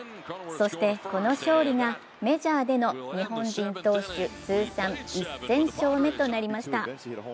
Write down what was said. そしてこの勝利がメジャーでの日本人投手通算１０００勝目となりました。